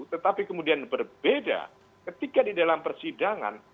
tetapi kemudian berbeda ketika di dalam persidangan